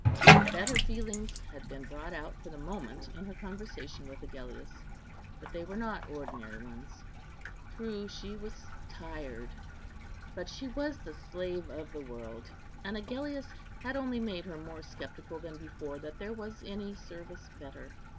Her better feelings had been brought out for the moment in her conversation with Agellius; but they were not ordinary ones. True, she was tired, but she was the slave of the world; and Agellius had only made her more sceptical than before that there was any service better.